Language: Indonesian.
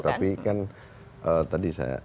tapi kan tadi saya